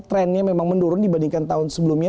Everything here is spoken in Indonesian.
trendnya memang menurun dibandingkan tahun sebelumnya